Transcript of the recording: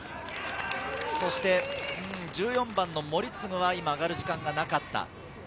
１４番の森次は今、上がる時間がなかった。